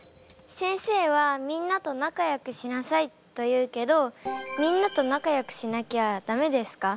先生はみんなと仲良くしなさいと言うけどみんなと仲良くしなきゃダメですか？